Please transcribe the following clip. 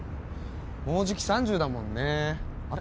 もうじき３０だもんねあれ？